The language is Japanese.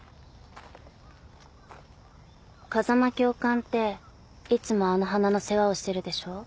風間教官っていつもあの花の世話をしてるでしょ。